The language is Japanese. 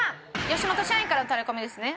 吉本社員からのタレコミですね。